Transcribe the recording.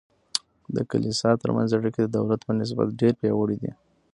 د کلیسا ترمنځ اړیکې د دولت په نسبت ډیر پیاوړي دي.